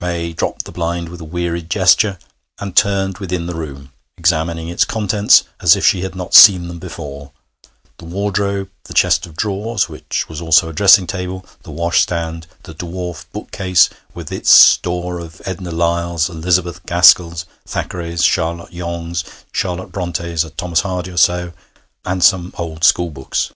May dropped the blind with a wearied gesture, and turned within the room, examining its contents as if she had not seen them before: the wardrobe, the chest of drawers, which was also a dressing table, the washstand, the dwarf book case with its store of Edna Lyalls, Elizabeth Gaskells, Thackerays, Charlotte Yonges, Charlotte Brontës, a Thomas Hardy or so, and some old school books.